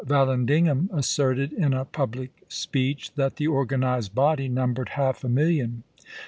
Vallandigham asserted, in a public speech, that the organized body numbered half a million.